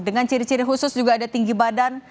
dengan ciri ciri khusus juga ada tinggi badan